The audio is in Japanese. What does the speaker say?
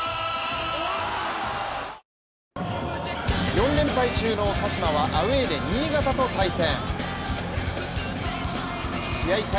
４連敗中の鹿島はアウェーで新潟と対戦。